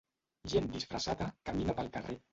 Gent disfressada camina pel carrer.